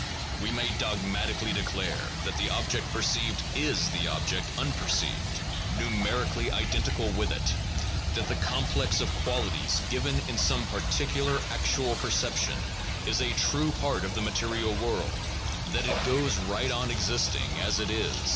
We may dogmatically declare that the object perceived is the object unperceived, numerically identical with it; that the complex of qualities given in some particular actual perception is a true part of the material world ; that it goes right on existing as it is 426 THE PHILOSOPHICAL REVIEW. [Vol. XXI.